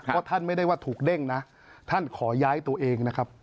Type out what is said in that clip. เพราะท่านไม่ได้ว่าถูกเด้งนะท่านขอย้ายตัวเองนะครับ